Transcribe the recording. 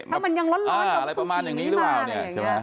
ถ้ามันยังร้อนกับผู้ขี่นี้มาอะไรอย่างนี้